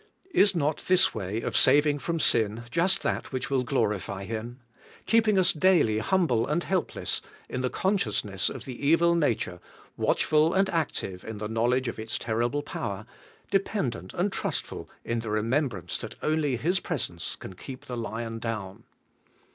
Is not this way of saving from sin just that which will glorify Him? — ^keeping us daily humble and help less in the consciousness of the evil nature, watchful and active in the knowledge of its terrible power, dependent and trustful in the remembrance that only His presence can keep the lion down.